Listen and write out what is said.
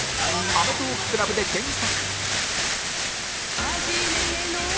「アメトーーク ＣＬＵＢ」で検索